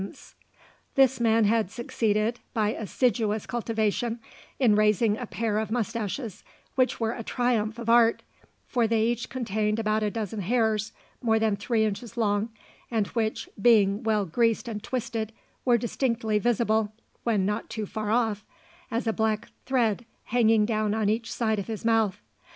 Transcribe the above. This man had succeeded, by assiduous cultivation, in raising a pair of moustaches which were a triumph of art, for they each contained about a dozen hairs more than three inches long, and which, being well greased and twisted, were distinctly visible (when not too far off) as a black thread hanging down on each side of his mouth.